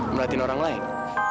merhatiin orang lain